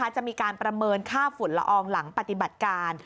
จะมีการประเมินค่าฝุ่นละอองหลังปฏิบัติการ